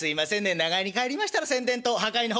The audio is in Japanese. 長屋に帰りましたら宣伝と破壊の方」。